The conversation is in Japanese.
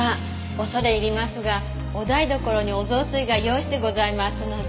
恐れ入りますがお台所におぞうすいが用意してございますので。